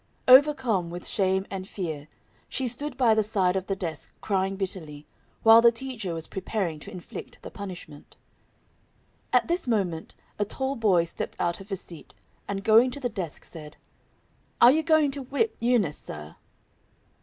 Overcome with shame and fear, she stood by the side of the desk crying bitterly, while the teacher was preparing to inflict the punishment. At this moment a tall boy stepped out of his seat, and going to the desk, said: "Are you going to whip Eunice, sir?"